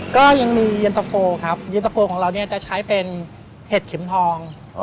ก็ยังมีเย็นตะโฟและเย็นตะโฟจะใช้เป็นเห็ดเข็มทอง